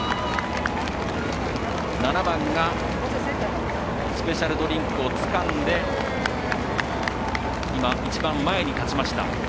７番がスペシャルドリンクをつかんで今、一番前に立ちました。